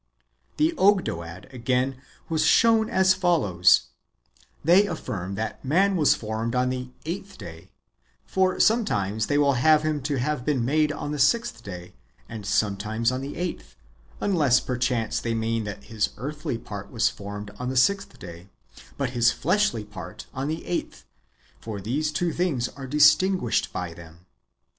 The Ogdoad, again, was shown as follows :— They affirm that man was formed on the eighth day, for sometimes they will have him to have been made on the sixth day, and sometimes on the eighth, unless, perchance, they mean that his earthly part was formed on the sixth day, but his fleshly part on the eighth, for these two things are distinguished by them.